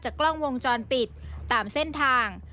กล้องวงจรปิดตามเส้นทาง